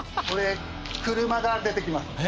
これ車が出てきます。